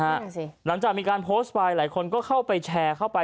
ดูสิหลังจากมีการโพสต์ไปหลายคนก็เข้าไปแชร์เข้าไป